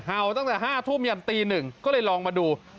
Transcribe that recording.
เห่าตั้งแต่๕ทุ่มยันตี๑ก็เลยลองมาดู